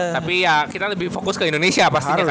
tapi ya kita lebih fokus ke indonesia pastinya